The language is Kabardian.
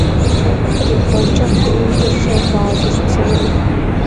Абы кърикӀуэнкӀэ хъунум дыщыгъуазэщ псори.